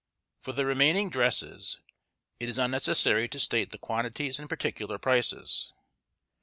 For the remaining dresses, it is unnecessary to state the quantities and particular prices.